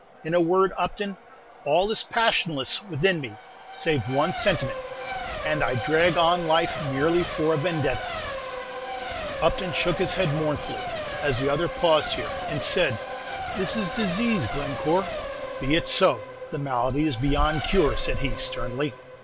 In a word, Upton, all is passionless within me, save one sentiment; and I drag on life merely for a 'Vendetta.'" Upton shook his head mournfully, as the other paused here, and said, "This is disease, Glencore!" "Be it so; the malady is beyond cure," said he, sternly.